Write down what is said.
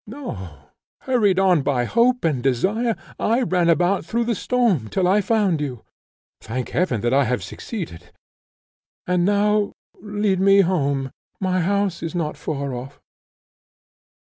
No; hurried on by hope and desire, I ran about through the storm till I found you. Thank Heaven that I have succeeded! And now lead me home; my house is not far off."